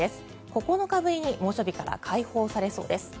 ９日ぶりに猛暑日から解放されそうです。